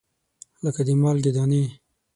لګه د مالګې دانې